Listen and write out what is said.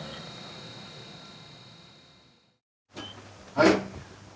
はい。